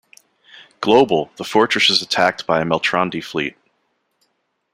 Global, the fortress is attacked by a Meltrandi fleet.